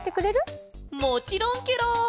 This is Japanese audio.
もちろんケロ！